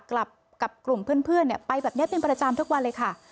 กับกลุ่มเพื่อนไปแบบนี้เป็นประจำทุกวันเลยค่ะ